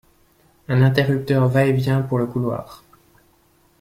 un interrupteur va et vient pour le couloir